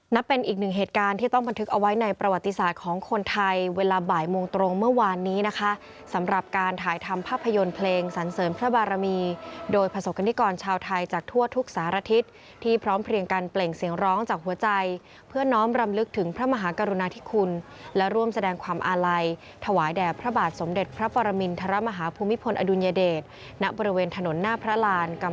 นับเป็นอีกหนึ่งเหตุการณ์ที่ต้องบันทึกเอาไว้ในประวัติศาสตร์ของคนไทยเวลาบ่ายโมงตรงเมื่อวานนี้สำหรับการถ่ายทำภาพยนตร์เพลงสันเสริมพระบารมีโดยผสกนิกรชาวไทยจากทั่วทุกสารทิศที่พร้อมเพลียงกันเปล่งเสียงร้องจากหัวใจเพื่อน้อมรำลึกถึงพระมหากรุณาธิคุณและร่วมแสดงความอาล